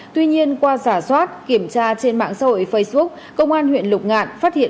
tuy nhiên qua giả soát kiểm tra trên mạng xã hội facebook công an huyện lục ngạn phát hiện